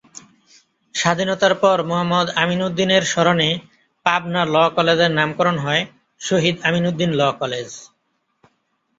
স্বাধীনতার পর মুহাম্মদ আমিনউদ্দিনের স্মরণে পাবনা ল’ কলেজের নামকরণ হয় শহীদ আমিনউদ্দিন ল’ কলেজ।